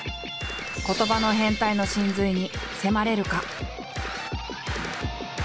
言葉の変態の神髄に迫れるか？